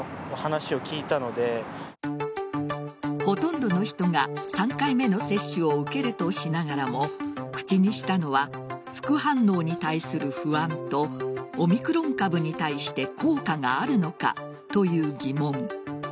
ほとんどの人が３回目の接種を受けるとしながらも口にしたのは副反応に対する不安とオミクロン株に対して効果があるのかという疑問。